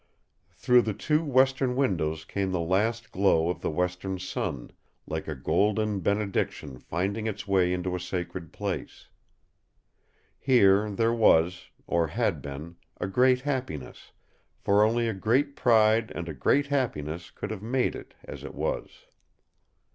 Through the two western windows came the last glow of the western sun, like a golden benediction finding its way into a sacred place. Here there was or had been a great happiness, for only a great pride and a great happiness could have made it as it was.